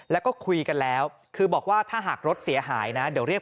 แล้วก็คุยกันแล้วคือบอกว่าถ้าหากรถเสียหายนะเดี๋ยวเรียก